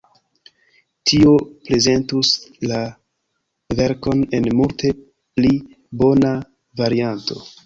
Tio prezentus la verkon en multe pli bona varianto.